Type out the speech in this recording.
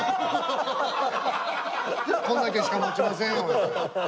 こんだけしかもちませんよって。